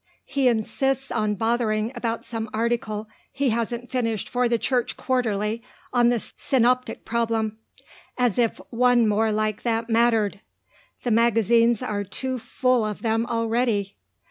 He insists on bothering about some article he hasn't finished for the Church Quarterly on the Synoptic Problem. As if one more like that mattered! The magazines are too full of them already."